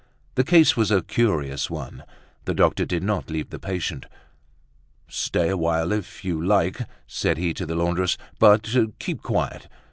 The case was a curious one; the doctor did not leave the patient. "Stay a while if you like," said he to the laundress; "but keep quiet.